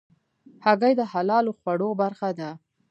هګۍ د حلالو خوړو برخه ده.